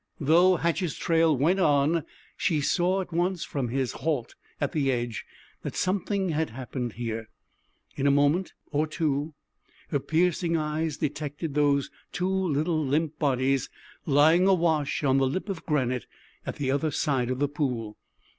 Though Hatch's trail went on, she saw at once, from his halt at the edge, that something had happened here. In a moment or two her piercing eyes detected those two little limp bodies lying awash on the lip of granite at the other side of the pool.